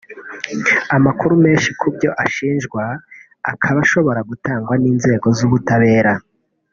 amakuru menshi ku byo ashinjwa akaba ashobora gutangwa n’inzego z’ubutabera